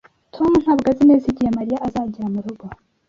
Tom ntabwo azi neza igihe Mariya azagera murugo